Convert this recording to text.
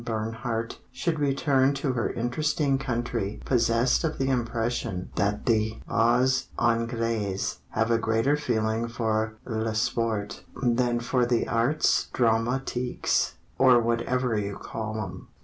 Bernhardt Should return to her interesting country Possessed of the impression that the bas Anglais Have a greater feeling for le sport Than for the arts dramatiques, Or whatever you call 'em?